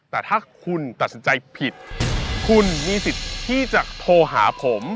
แต่ถ้าคุณตัดสินใจผิดคุณมีสิทธิ์ที่จะโทรหาผม